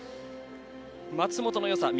松元のよさ。